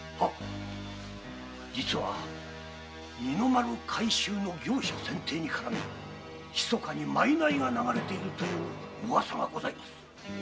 実は二の丸改修の業者選定に絡みひそかにマイナイが流れているというウワサがございます。